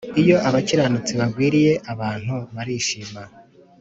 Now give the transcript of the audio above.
iyo abakiranutsi bagwiriye abantu barishima,